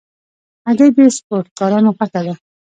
هګۍ د سپورټکارانو خوښه ده.